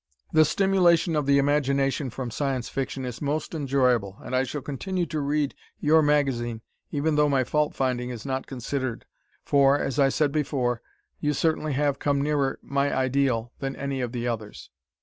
The stimulation of the imagination from Science Fiction is most enjoyable and I shall continue to read your magazine even though my fault finding is not considered, for, as I said before, you certainly have come nearer my ideal than any of the others.